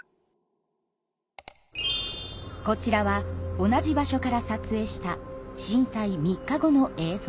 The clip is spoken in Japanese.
こちらは同じ場所から撮影した震災３日後の映像です。